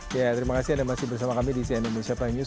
ya terima kasih anda masih bersama kami di cnn indonesia prime news